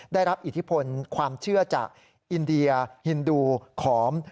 ได้รับอิทธิพลความเชื่อจากอินเดียฮินดูขอม